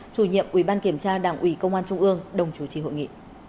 chủ nhiệm ủy ban kiểm tra đảng ủy công an trung ương đồng chủ trì hội nghị